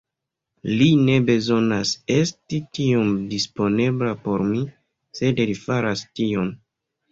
Li ne bezonas esti tiom disponebla por mi, sed li faras tion.